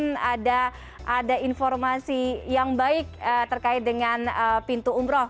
kemudian ada informasi yang baik terkait dengan pintu umroh